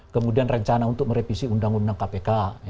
kemudian rencana untuk merevisi undang undang kpk